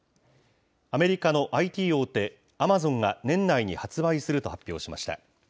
アメリカのＩＴ大手、アマゾンが年内に発売すると発表しました。